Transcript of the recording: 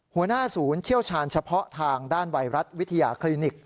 หัวหน้าศูนย์เชี่ยวชาญเฉพาะทางด้านไวรัสวิทยาคลินิก